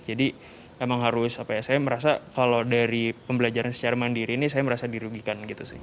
jadi memang harus saya merasa kalau dari pembelajaran secara mandiri ini saya merasa dirugikan